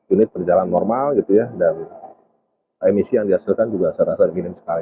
unit berjalan normal gitu ya dan emisi yang dihasilkan juga serasa minim sekali hampir tidak ada lah